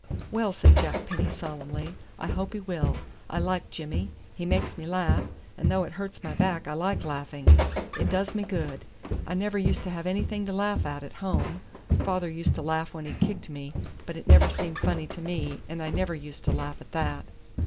"Well," said Jack Penny solemnly, "I hope he will. I like Jimmy, he makes me laugh, and though it hurts my back I like laughing. It does me good. I never used to have anything to laugh at at home. Father used to laugh when he kicked me, but it never seemed funny to me, and I never used to laugh at that."